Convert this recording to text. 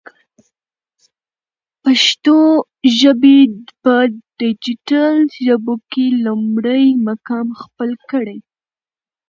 پښتو ژبی په ډيجيټل ژبو کی لمړی مقام خپل کړ.